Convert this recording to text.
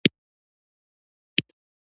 پر پېشوا خپل کنټرول له لاسه ورکړي.